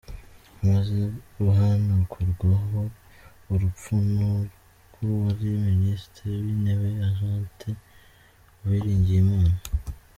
Amaze guhanagurwaho urupfu rw’uwari Ministre w’Intebe Agathe Uwiringiyimana.